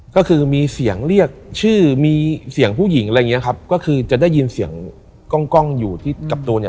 ก็คือมีเสียงเรียกชื่อมีเสียงผู้หญิงอะไรอย่างนี้ครับ